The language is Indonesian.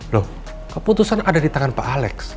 loh keputusan ada di tangan pak alex